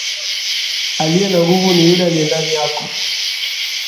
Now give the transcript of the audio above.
Aliye na nguvu ni yule aliyendani yako.